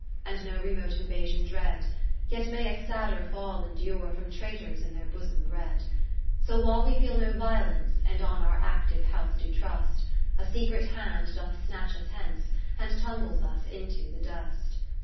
And no remote invasion dread ; (574) Yet may a sadder fall endure From traitors in their bosom bred : III So while we feel no violence, 9 And on our active health do trust, A secret hand doth snatch us hence, And tumbles us into the dust.